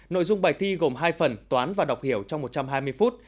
nội dung bài thi gồm hai phần toán và đọc hiểu trong một trăm hai mươi phút